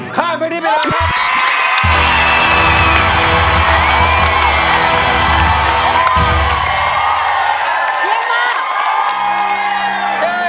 ข้ามไปที่เวลาครับ